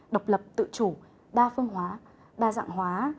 độc lập tự chủ đa phương hóa đa dạng hóa